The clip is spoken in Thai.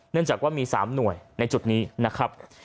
เนื่องจากว่ามี๓หน่วยในจุดนี้นะครับ